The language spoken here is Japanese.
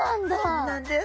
そうなんです。